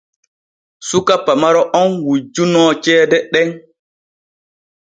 Suka pamaro on wujjunoo ceede ɗen.